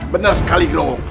benar sekali gro